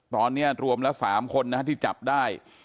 ตอนนี้รวมแล้ว๓คนที่จับได้